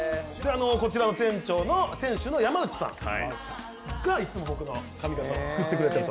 こちらの店主の山内さんがいつも僕の髪形を作ってくれてる。